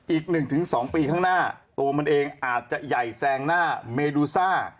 อีก๑๒ปีข้างหน้าตัวมันเองอาจจะใหญ่แซงหน้าเมดูซ่า